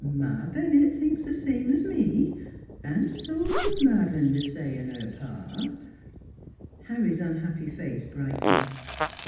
Ma Bennett thinks th' same as me, an' so does Mad'lane Dassay an' her pa." Harry's unhappy face brightened.